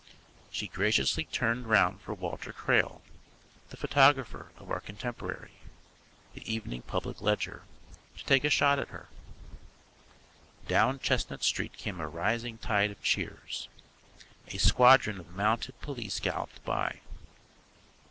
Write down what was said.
She graciously turned round for Walter Crail, the photographer of our contemporary, the Evening Public Ledger, to take a shot at her. Down Chestnut Street came a rising tide of cheers. A squadron of mounted police galloped by.